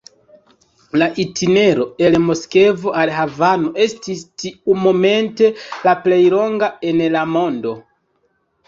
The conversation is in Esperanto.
La itinero el Moskvo al Havano estis tiumomente la plej longa en la mondo.